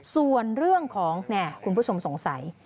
ส่วนเรื่องของคุณผู้ชมสงสัย